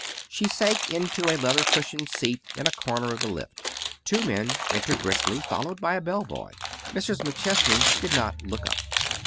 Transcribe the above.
She sank into a leather cushioned seat in a corner of the lift. Two men entered briskly, followed by a bellboy. Mrs. McChesney did not look up.